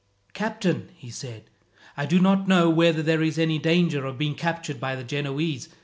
"Captain," he said, "I do not know whether there is any danger of being captured by the Genoese.